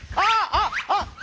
あっ！